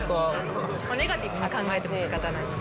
ネガティブに考えても、しかたないんで。